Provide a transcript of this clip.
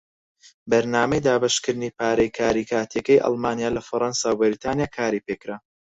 بەرنامەی دابەشکردنی پارەی کاری کاتیەکەی ئەڵمانیا لە فەڕەنسا و بەریتانیا کاری پێکرا.